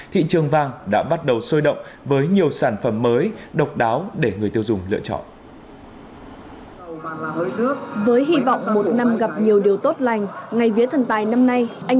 thị trường vàng đã bắt đầu sôi động với nhiều sản phẩm mới độc đáo để người tiêu dùng lựa chọn